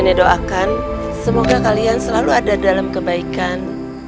saya doakan semoga kalian selalu ada dalam kebaikan